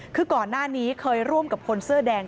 คือก่อนหน้านี้เคยร่วมกับคนเสื้อแดง